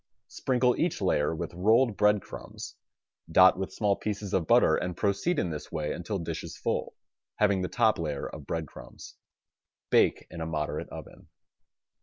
Sprinkle each layer with rolled bread crumbs, dot with small pieces of butter and proceed in this way until dish is full, having the top layer of bread crumbs. Bake in a moderate oven.